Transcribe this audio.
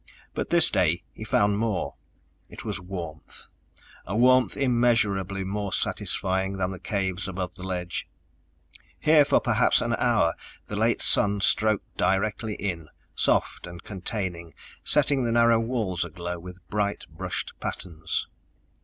But this day he found more. It was warmth, a warmth immeasurably more satisfying than the caves above the ledge. Here for perhaps an hour the late sun stroked directly in, soft and containing, setting the narrow walls aglow with bright brushed patterns.